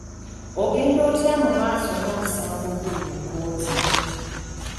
Ogenda otya mu maaso n'omusango oguli mu kkooti?